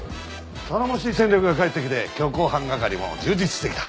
頼もしい戦力が帰ってきて強行犯係も充実してきた。